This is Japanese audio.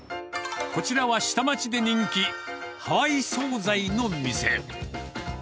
こちらは下町で人気、ハワイ総菜の店。